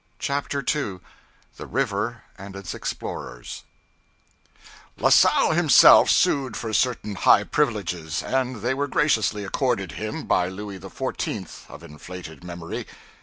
CHAPTER 2 The River and Its Explorers LA SALLE himself sued for certain high privileges, and they were graciously accorded him by Louis XIV of inflated memory.